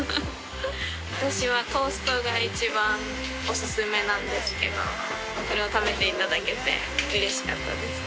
私はトーストが一番お薦めなんですけどそれを食べていただけてうれしかったです。